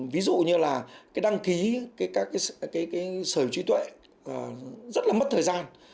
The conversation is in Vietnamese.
ví dụ như là cái đăng ký cái sở trí tuệ rất là mất thời gian